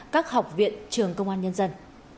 các học viện trường công an nhân dân